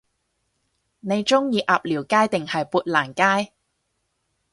你鍾意鴨寮街定係砵蘭街？